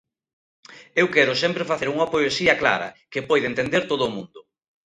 Eu quero sempre facer unha poesía clara, que poida entender todo o mundo.